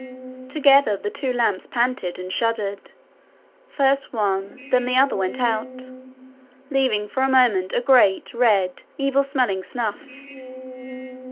Together the two lamps panted and shuddered. First one, then the other went out, leaving for a moment a great, red, evil smelling snuff.